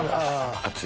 熱い？